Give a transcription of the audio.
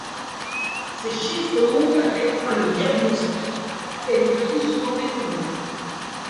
Ces chiffres montrent à quel point le diagnostic est le plus souvent méconnu.